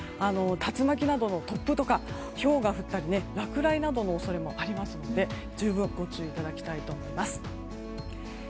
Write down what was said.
竜巻などの突風とかひょうが降ったりとか落雷などの恐れもありますので十分ご注意いただきたいと思います。